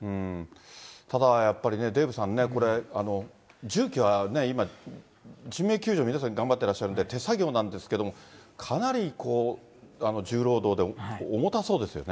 ただやっぱりね、デーブさん、これ、重機は、今、人命救助、皆さん今頑張ってらっしゃるんで、手作業なんですけども、かなり重労働で重たそうですよね。